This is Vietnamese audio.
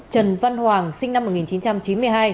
trần văn hoàng sinh năm một nghìn chín trăm chín mươi hai